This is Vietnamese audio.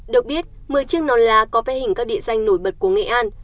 được biết một mươi chiếc non lá có vẽ hình các địa danh nổi bật của nghệ an